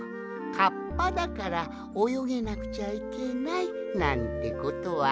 カッパだからおよげなくちゃいけないなんてことはないんじゃ。